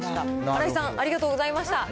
新井さん、ありがとうございました。